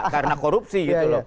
karena korupsi gitu loh